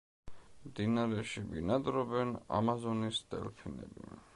მდინარეში ბინადრობენ ამაზონის დელფინები.